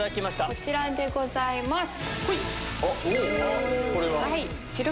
こちらでございます。